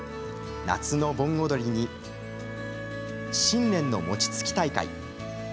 夏の盆踊りに新年の餅つき大会。